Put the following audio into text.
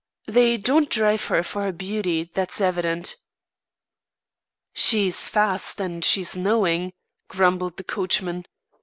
They don't drive her for her beauty, that's evident." "She's fast and she's knowing," grumbled the coachman.